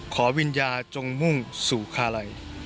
ขอวิญญาจงมุ่งสู่คาลัย